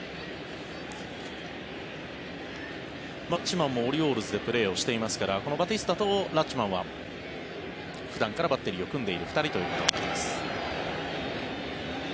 ラッチマンもオリオールズでプレーをしていますからバティスタとラッチマンは普段からバッテリーを組んでいる２人となります。